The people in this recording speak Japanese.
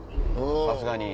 さすがに。